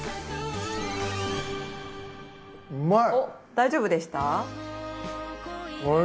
大丈夫でした？